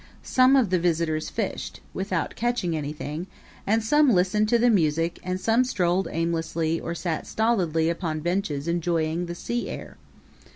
Some of the visitors fished without catching anything and some listened to the music and some strolled aimlessly or sat stolidly upon benches enjoying the sea air.